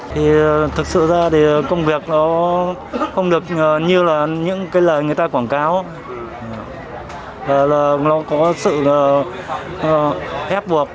thì thực sự ra thì công việc nó không được như là những cái lời người ta quảng cáo là nó có sự ép buộc